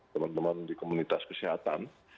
teman teman di komunitas kesehatan